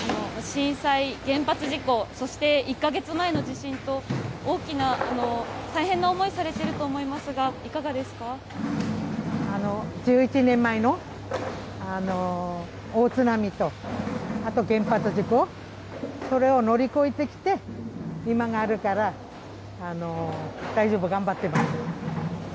震災、原発事故、そして１か月前の地震と、大変な思いをされ１１年前の大津波と、あと原発事故、それを乗り越えてきて、今があるから、大丈夫、頑張ってます。